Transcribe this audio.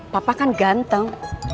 papa kan ganteng